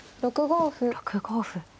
６五歩。